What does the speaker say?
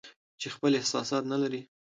چې خپل احساسات نه لري